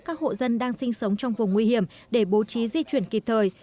các hộ dân đang sinh sống trong vùng nguy hiểm để bố trí di chuyển kịp thời